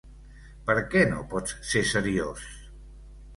Per què no pots ser seriós?